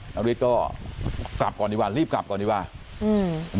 นาริสก็กลับก่อนดีกว่ารีบกลับก่อนดีกว่าอืม